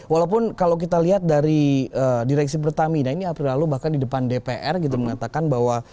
walaupun kalau kita lihat dari direksi pertamina ini april lalu bahkan di depan dpr gitu mengatakan bahwa